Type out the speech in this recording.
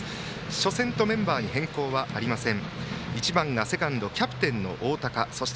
初戦とメンバーに変更はありません。